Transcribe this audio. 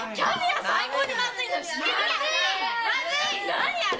「何あれ？